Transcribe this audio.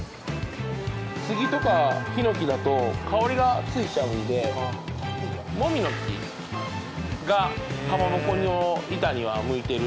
スギとかヒノキだと香りがついちゃうのでもみの木がかまぼこの板には向いてる。